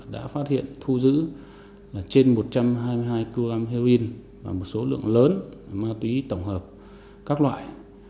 đã phát hiện thu giữ trên một trăm hai mươi hai kg heroin và một số lượng lớn ma túy tổng hợp các loại